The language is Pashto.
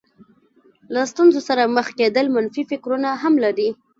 له ستونزې سره مخ کېدل منفي فکرونه هم لري.